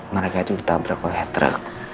mereka itu ditabrak oleh truk